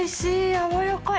やわらかい。